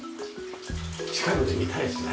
近くで見たいですね。